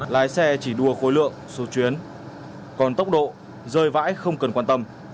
lái xe chỉ đua khối lượng số chuyến còn tốc độ rơi vãi không cần quan tâm